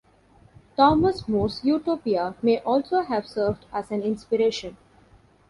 Thomas More's "Utopia" may also have served as an inspiration.